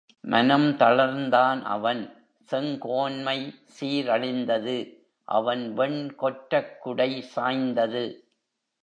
மனம் தளர்ந்தான் அவன் செங்கோன்மை சீர்அழிந்தது அவன் வெண் கொற்றக் குடை சாய்ந்தது.